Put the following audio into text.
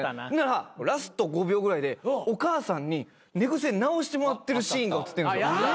ほんならラスト５秒ぐらいでお母さんに寝癖直してもらってるシーンが映ってるんすよ。